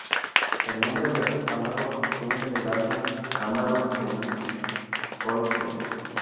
El nombre de Amarok viene del álbum Amarok de Mike Oldfield.